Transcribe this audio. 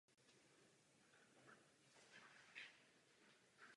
Pro svou vnitřní různorodost měla skupina jen krátké trvání.